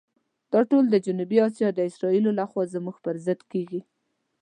دا ټول د جنوبي آسیا د اسرائیلو لخوا زموږ پر ضد کېږي.